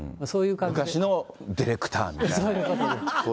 昔のディレクターみたいな。